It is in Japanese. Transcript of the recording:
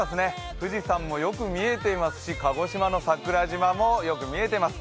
富士山もよく見えていますし鹿児島の桜島もよく見えています。